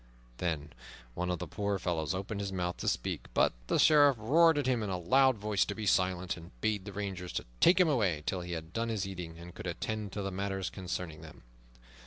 Then one of the poor fellows opened his mouth to speak, but the Sheriff roared at him in a loud voice to be silent, and bade the rangers to take them away till he had done his eating and could attend to the matters concerning them.